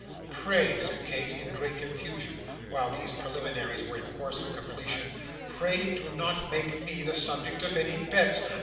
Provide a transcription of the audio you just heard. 'Pray,' said Kate, in great confusion, while these preliminaries were in course of completion. 'Pray do not make me the subject of any bets.